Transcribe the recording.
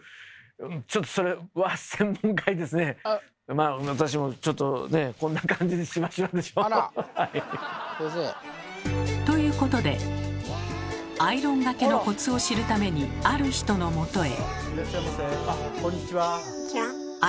まあ私もちょっとねということでアイロンがけのコツを知るためにある人のもとへ。